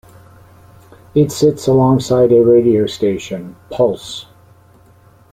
It sits alongside a radio station, Pulse!